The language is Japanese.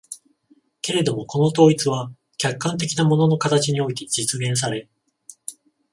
けれどもこの統一は客観的な物の形において実現され、